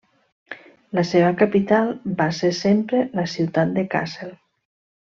La seva capital va ser sempre la ciutat de Kassel.